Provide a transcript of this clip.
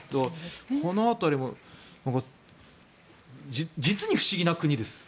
この辺りも実に不思議な国です。